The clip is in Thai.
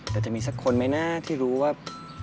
แต่จะมีสักคนไหมนะที่รู้ว่า